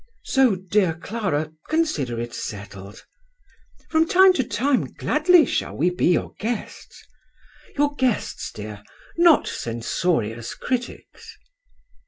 " So, dear Clara, consider it settled." " From time to time gladly shall we be your guests." " Your guests, dear, not censorious critics."